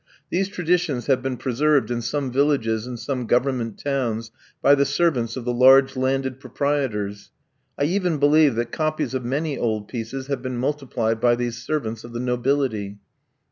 These traditions have been preserved in some villages and some Government towns by the servants of the large landed proprietors. I even believe that copies of many old pieces have been multiplied by these servants of the nobility.